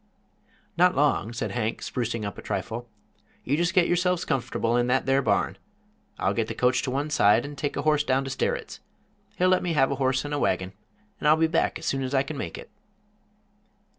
"Not long," said Hank, sprucing up a trifle. "You just get yourselves comfortable in that there barn. I'll get the coach to one side, and take a horse down to Sterritt's. He'll let me have a horse and a wagon, and I'll be back as soon as I kin make it."